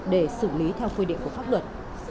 để xử lý theo quy định của pháp luật